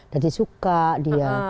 jadi suka dia